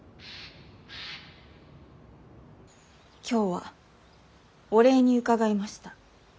今日はお礼に伺いました。